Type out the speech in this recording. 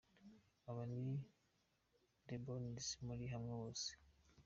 Aba ni The Ebonies bari hamwe bose.